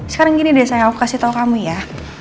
sekarang gini deh sayang aku kasih tau kamu ya